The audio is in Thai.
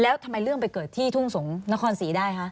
แล้วทำไมเรื่องไปเกิดที่ทุ่งสงศนครศรีได้คะ